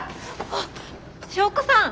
あっ祥子さん。